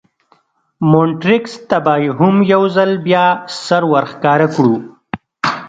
مونټریکس ته به هم یو ځل بیا سر ور ښکاره کړو.